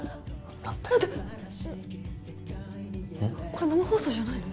これ生放送じゃないの？